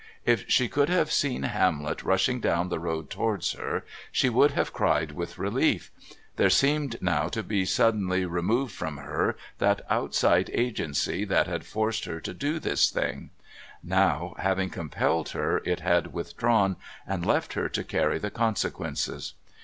If she could have seen Hamlet rushing down the road towards her she would have cried with relief; there seemed now to be suddenly removed from her that outside agency that had forced her to do this thing; now, having compelled her, it had withdrawn and left her to carry the consequences.